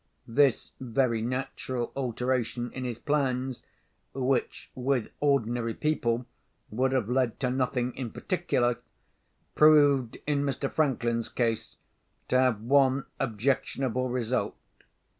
This very natural alteration in his plans—which, with ordinary people, would have led to nothing in particular—proved, in Mr. Franklin's case, to have one objectionable result.